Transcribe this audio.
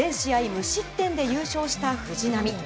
無失点で優勝した藤波。